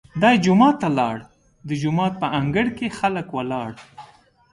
دی جومات ته لاړ، د جومات په انګړ کې خلک ولاړ.